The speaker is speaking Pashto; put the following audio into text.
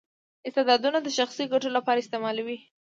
استعدادونه د شخصي ګټو لپاره استعمالوي.